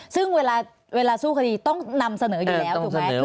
ซึ่งเวลาสู้คดีต้องนำเสนออยู่แล้วถูกไหม